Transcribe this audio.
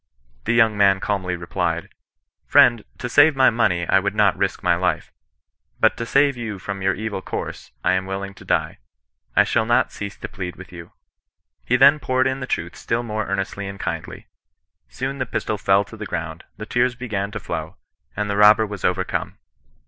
The young man calmly replied, —^ Friend, to save my mone^ I would not risk my life ; but to save you from your evil course, I am willing to die. I shall not cease to plead witii you.' He then poured in the truth still more ear nestly and kindly. Soon the pistol fell to the ground ; the tears began to flow ; and the robber was overcome.